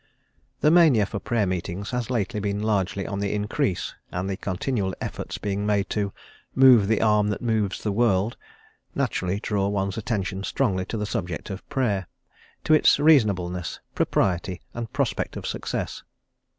THE mania for Prayer meetings has lately been largely on the increase, and the continual efforts being made to "Move the arm that moves the world," naturally draw one's attention strongly to the subject of Prayer; to its reasonableness, propriety, and prospect of success.